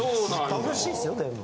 楽しいですよでも。